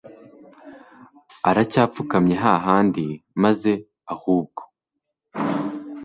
aracyapfukamye hahandi maze ahubwo